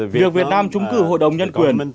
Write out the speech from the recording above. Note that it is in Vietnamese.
việc việt nam chung cử hội đồng nhân quyền